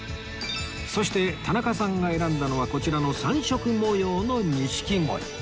そして田中さんが選んだのはこちらの３色模様の錦鯉